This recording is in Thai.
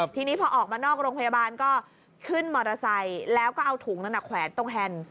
ทีนี้พอออกมานอกโรงพยาบาลก็ขึ้นมอเตอร์ไซค์แล้วก็เอาถุงนั้นแขวนตรงแฮนด์